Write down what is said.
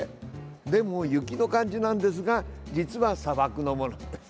でも雪の感じなんですが実は砂漠のものです。